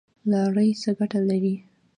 لاړې څه ګټه لري؟